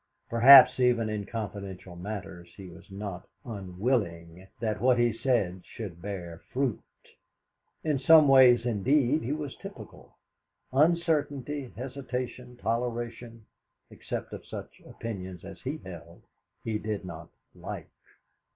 Perhaps even in confidential matters he was not unwilling that what he said should bear fruit. In some ways, indeed, he was typical. Uncertainty, hesitation, toleration except of such opinions as he held he did not like.